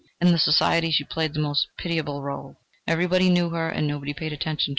In society she played the most pitiable role. Everybody knew her, and nobody paid her any attention.